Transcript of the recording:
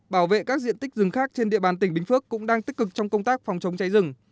bảo vệ các diện tích rừng khác trên địa bàn tỉnh bình phước cũng đang tích cực trong công tác phòng chống cháy rừng